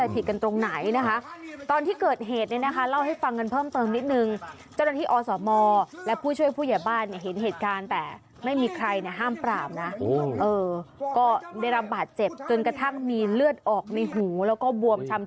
ที่นี่สาเหตุเนี่ยนะคะก็คาดว่าผู้ใหญ่น่าจะโกรธเครื่องน่ะเนาะ